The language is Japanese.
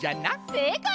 せいかい！